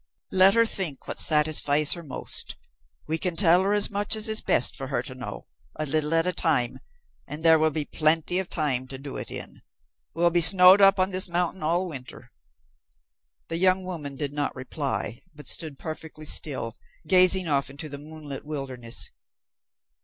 "Let her think what satisfies her most. We can tell her as much as is best for her to know, a little at a time, and there will be plenty of time to do it in. We'll be snowed up on this mountain all winter." The young woman did not reply, but stood perfectly still, gazing off into the moonlit wilderness.